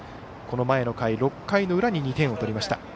この前の回、６回の裏に２点を取りました。